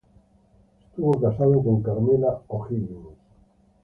Estuvo casado con Carmela O’Higgins.